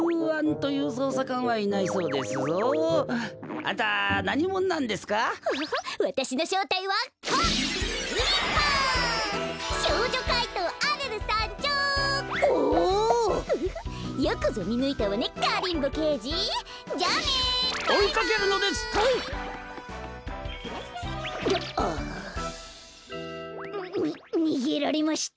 ああ。ににげられました。